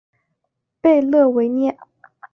贝勒维涅。